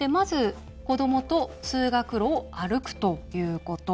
子どもと通学路を歩くということ。